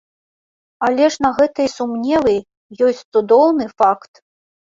Але ж на гэтыя сумневы ёсць цудоўны факт!